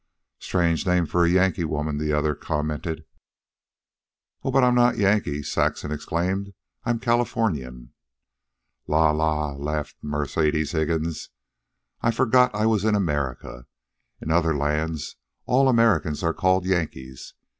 "Strange name for a Yankee woman," the other commented. "Oh, but I'm not Yankee," Saxon exclaimed. "I'm Californian." "La la," laughed Mercedes Higgins. "I forgot I was in America. In other lands all Americans are called Yankees.